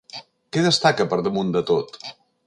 Què destaca per damunt de tot?